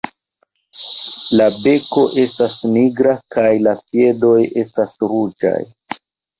La beko estas nigra kaj la piedoj estas ruĝaj.